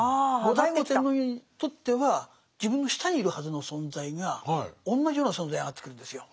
後醍醐天皇にとっては自分の下にいるはずの存在がおんなじような存在に上がってくるんですよ。